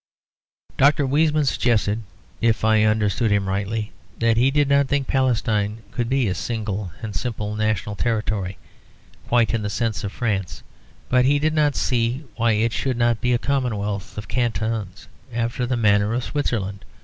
Dr. Weizmann suggested, if I understood him rightly, that he did not think Palestine could be a single and simple national territory quite in the sense of France; but he did not see why it should not be a commonwealth of cantons after the manner of Switzerland.